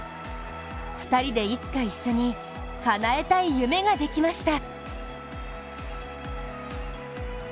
２人でいつか一緒にかなえたい夢ができました。